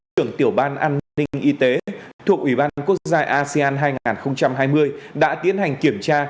trưởng tiểu ban an ninh y tế thuộc ủy ban quốc gia asean hai nghìn hai mươi đã tiến hành kiểm tra